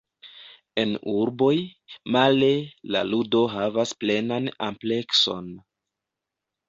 En urboj, male, la ludo havas plenan amplekson.